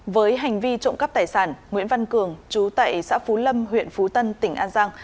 với hành vi trộm cắp tài sản nguyễn văn cường chú tại xã phú lâm huyện phú tân tỉnh an giang